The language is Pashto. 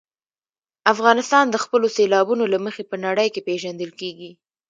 افغانستان د خپلو سیلابونو له مخې په نړۍ کې پېژندل کېږي.